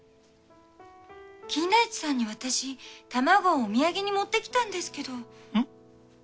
金田一さんに私卵をお土産に持ってきたんですけど。